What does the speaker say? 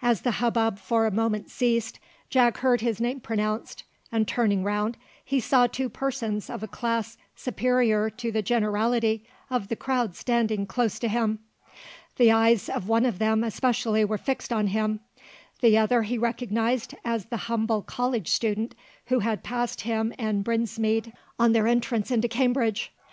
As the hubbub for a moment ceased, Jack heard his name pronounced; and turning round, he saw two persons of a class superior to the generality of the crowd standing close to him. The eyes of one of them especially were fixed on him. The other he recognised as the humble college student who had passed him and Brinsmead on their entrance into Cambridge.